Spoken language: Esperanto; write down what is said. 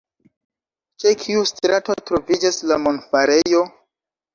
Ĉe kiu strato troviĝas la monfarejo?